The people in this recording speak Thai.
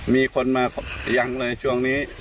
มีคนมายังเลยช่วงนี้